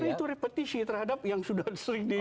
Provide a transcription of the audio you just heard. karena itu repetisi terhadap yang sudah disering di